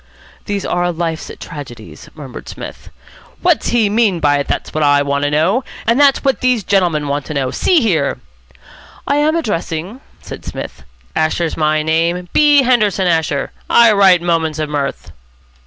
"These are life's tragedies," murmured Psmith. "What's he mean by it? That's what I want to know. And that's what these gentlemen want to know See here " "I am addressing ?" said Psmith. "Asher's my name. B. Henderson Asher. I write 'Moments of Mirth.'"